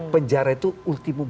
penjara itu ultimum